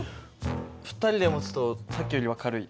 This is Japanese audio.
２人で持つとさっきよりは軽い。